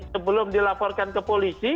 sebelum dilaporkan ke polres kampar